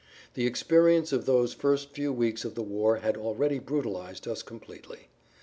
The experience of those first few weeks of the war had already brutalized us completely.